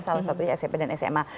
salah satunya smp dan sma